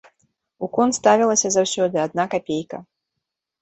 У кон ставілася заўсёды адна капейка.